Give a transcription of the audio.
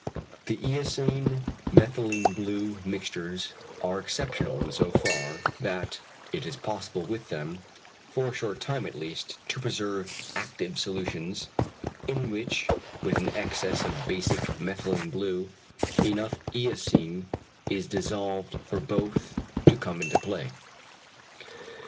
The eosine methylene blue mixtures are exceptional in so far, that it is possible with them, for a short time at least, to preserve active solutions, in which with an excess of basic methylene blue, enough eosin is dissolved for both to come into play.